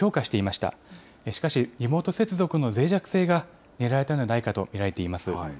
しかし、リモート接続のぜい弱性が狙われたんではないかと見られています。